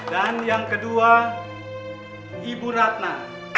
dan yang kedua ibu ratna